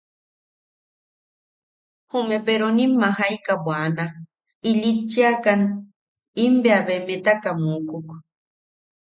Jume peronim majaika bwana, ilitchiakan, im bea beemetaka mukuk.